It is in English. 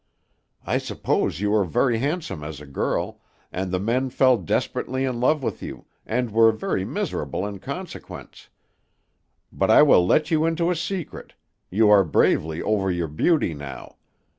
"I suppose you were very handsome as a girl, and the men fell desperately in love with you, and were very miserable in consequence. But I will let you into a secret; you are bravely over your beauty now.